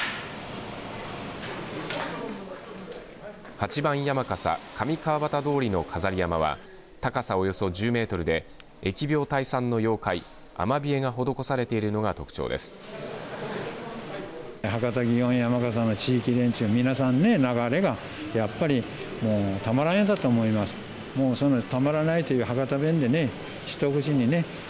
８番山笠、上川端通の飾り山笠は高さおよそ１０メートルで疫病退散の妖怪アマビエがほどこされているのが特徴です。